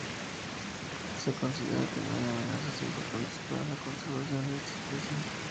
Se considera que no hay amenazas importantes para la conservación de esta especie.